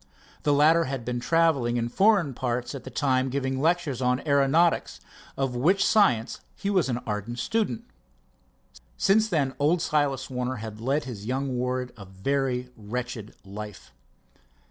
The latter had been traveling in foreign parts at the time giving lectures on aeronautics, of which science he was an ardent student. Since then old Silas Warner had led his young ward a very wretched life.